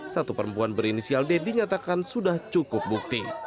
satu perempuan berinisial d dinyatakan sudah cukup bukti